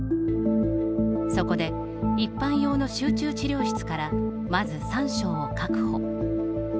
そこで、一般用の集中治療室からまず３床を確保。